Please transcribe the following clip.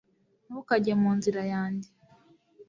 ntukajye mu nzira yanjye